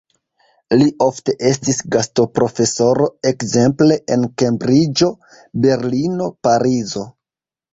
Li ofte estis gastoprofesoro ekzemple en Kembriĝo, Berlino, Parizo.